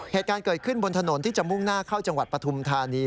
เหตุการณ์เกิดขึ้นบนถนนที่จะมุ่งหน้าเข้าจังหวัดปฐุมธานี